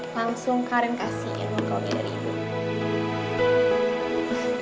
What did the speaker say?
langsung karin kasih yang bantuan dia dari ibu